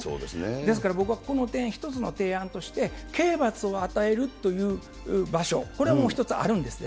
ですから、僕はこの点、一つの提案として、刑罰を与えるという場所、これも一つあるんですね。